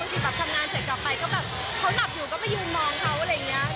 ที่แบบทำงานเสร็จกลับไปก็แบบเขาหลับอยู่ก็ไปยืนมองเขาอะไรอย่างนี้